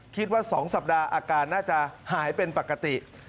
คิดว่า๒สัปดาห์อาการน่าจะหายเป็นปกติ